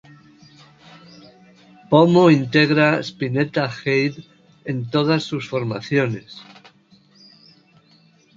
Pomo integra Spinetta Jade en todas sus formaciones.